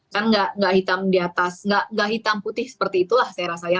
kan nggak hitam di atas nggak hitam putih seperti itulah saya rasa ya